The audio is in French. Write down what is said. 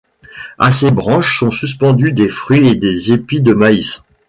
À ses branches sont suspendus des fruits et des épis de maïs.